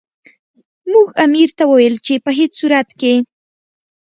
موږ امیر ته وویل چې په هیڅ صورت کې.